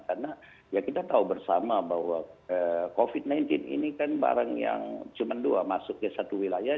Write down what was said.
karena ya kita tahu bersama bahwa covid sembilan belas ini kan barang yang cuma dua masuk ke satu wilayah